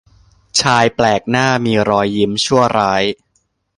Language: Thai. ชายแปลกหน้ามีรอยยิ้มชั่วร้าย